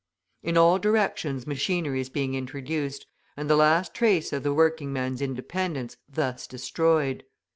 In all directions machinery is being introduced, and the last trace of the working man's independence thus destroyed.